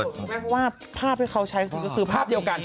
เพราะว่าภาพที่เขาใช้ก็คือภาพเดียวกัน